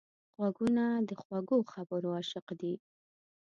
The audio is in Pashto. غوږونه د خوږو خبرو عاشق دي